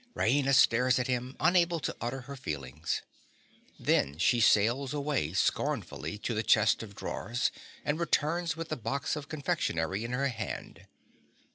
(_Raina stares at him, unable to utter her feelings. Then she sails away scornfully to the chest of drawers, and returns with the box of confectionery in her hand.